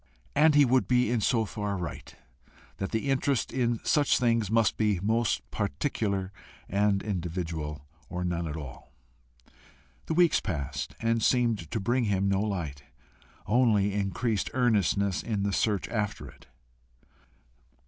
And he would be so far right, that the interest in such things must be most particular and individual, or none at all. The weeks passed and seemed to bring him no light, only increased earnestness in the search after it.